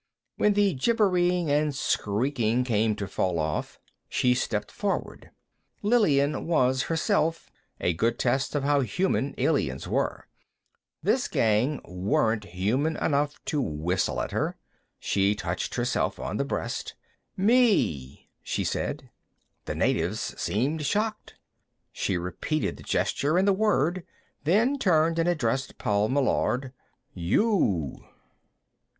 When the gibbering and skreeking began to fall off, she stepped forward. Lillian was, herself, a good test of how human aliens were; this gang weren't human enough to whistle at her. She touched herself on the breast. "Me," she said. The natives seemed shocked. She repeated the gesture and the word, then turned and addressed Paul Meillard. "You."